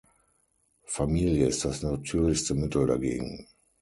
Familie ist das natürlichste Mittel dagegen.